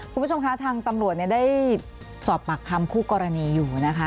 คุณผู้ชมคะทางตำรวจได้สอบปากคำคู่กรณีอยู่นะคะ